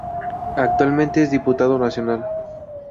Actualmente es Diputado Nacional.